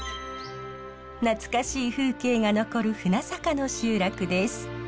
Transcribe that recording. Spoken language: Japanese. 懐かしい風景が残る船坂の集落です。